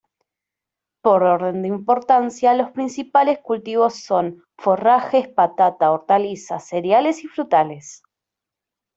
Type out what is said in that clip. Por orden de importancia, los principales cultivos son: forrajes, patata, hortalizas, cereales y frutales.